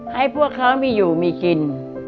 ให้พวกเขามีอยู่มีกิน